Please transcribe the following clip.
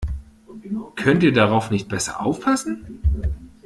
Könnt ihr darauf nicht besser aufpassen?